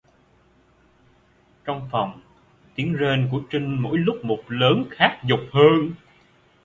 Trong phòng tiếng rên của trinh mỗi lúc một lớn khát dục hơn